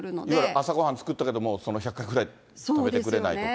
朝ごはん作ったけれども１００回くらい食べてくれないとか。